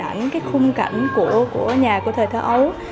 ảnh cái khung cảnh của nhà của thời thơ ấu